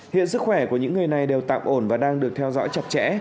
hiện sức khỏe của những người này đều tạm ổn và đang được theo dõi chặt chẽ